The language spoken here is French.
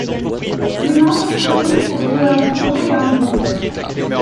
Les membres sont connus pour jouer en solo et en groupe.